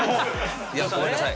いやごめんなさい。